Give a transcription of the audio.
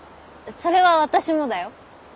それは私もだよ。